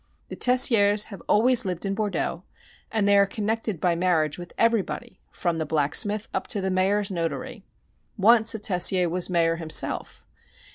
The Tessiers have always lived in Bordeaux and they are connected by marriage with everybody from the blacksmith up to the Mayor's notary. Once a Tessier was Mayor himself.